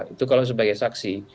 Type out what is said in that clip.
itu kalau sebagai saksi